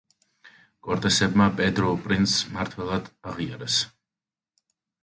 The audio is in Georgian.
კორტესებმა პედრუ პრინც მმართველად აღიარეს.